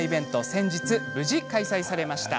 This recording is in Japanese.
先日、無事、開催されました。